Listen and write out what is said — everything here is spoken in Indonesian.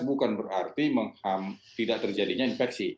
bukan berarti tidak terjadinya infeksi